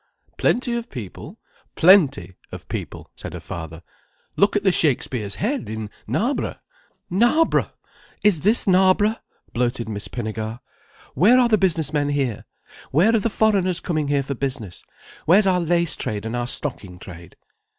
"Plenty of people—plenty of people," said her father. "Look at The Shakespeare's Head, in Knarborough." "Knarborough! Is this Knarborough!" blurted Miss Pinnegar. "Where are the business men here? Where are the foreigners coming here for business, where's our lace trade and our stocking trade?"